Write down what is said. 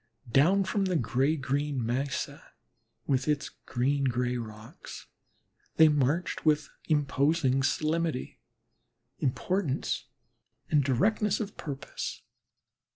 Down from the gray green mesa with its green gray rocks, they marched with imposing solemnity, importance, and directness of purpose.